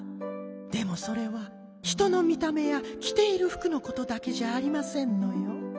でもそれは人の見た目やきているふくのことだけじゃありませんのよ。